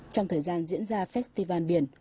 trong thời gian diễn ra festival biển